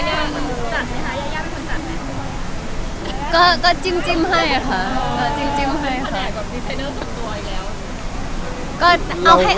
จัดความตู้เนียร์ครับเรียว